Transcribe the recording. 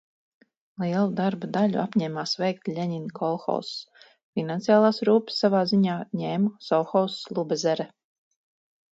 "Lielu darba daļu apņēmās veikt Ļeņina kolhozs, finansiālās rūpes savā ziņā ņēma sovhozs "Lubezere"."